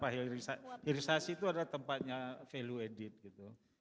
hilirisasi itu adalah tempatnya value added gitu